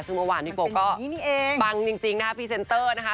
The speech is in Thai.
ซึ่งเมื่อวานพี่โป๊ก็ปังจริงนะคะพรีเซนเตอร์นะคะ